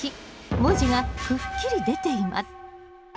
文字がくっきり出ています。